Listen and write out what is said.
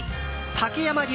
竹山流